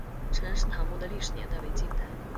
陈式坦墓的历史年代为近代。